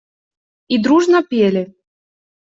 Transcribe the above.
И дружно пели.